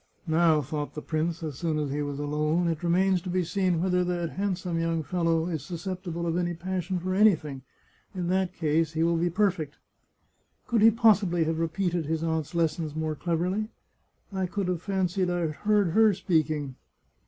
" Now," thought the prince, as soon as he was alone, " it remains to be seen whether that handsome young fel low is susceptible of any passion for anything ; in that case he will be perfect. Could he possibly have repeated his aunt's lessons more cleverly? I could have fancied I heard her speaking!